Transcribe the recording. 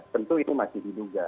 tentu itu masih diduga